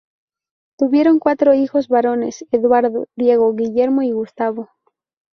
Tuvieron cuatro hijos varones: Eduardo, Diego, Guillermo y Gustavo.